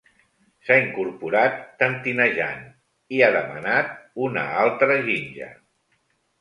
S'ha incorporat tentinejant i ha demanat una altra ginja.